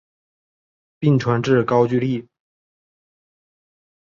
并传至高句丽。